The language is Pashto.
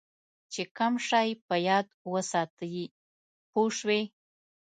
چې کم شی په یاد وساتې پوه شوې!.